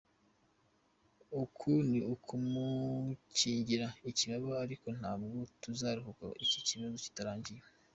Uku ni ukumukingira ikibaba ariko ntabwo tuzaruhuka iki kibazo kitarangiye.